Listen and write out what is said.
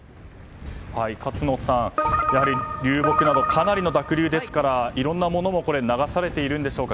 勝野さん、やはり流木などかなりの濁流ですからいろんなものも流されていますか。